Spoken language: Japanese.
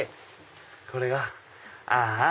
これが「ああ！